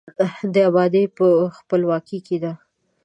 د آبادي په، خپلواکۍ کې ده.